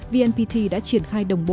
vnpt đã triển khai đồng bộ